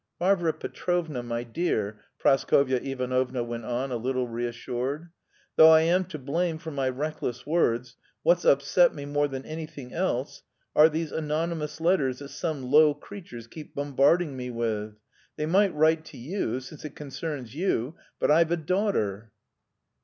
"Varvara Petrovna, my dear," Praskovya Ivanovna went on, a little reassured, "though I am to blame for my reckless words, what's upset me more than anything are these anonymous letters that some low creatures keep bombarding me with; they might write to you, since it concerns you, but I've a daughter!"